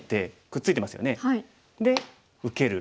くっついてますよね。